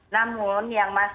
namun yang masyarakat